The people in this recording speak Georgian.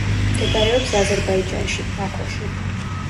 მდებარეობს აზერბაიჯანში, ბაქოში.